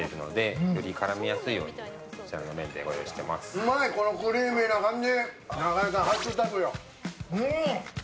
うまい、このクリーミーな感じ。